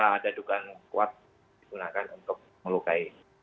betul kita ada dugaan kuat digunakan untuk melukai